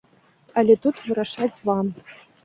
Але тут вырашаць вам!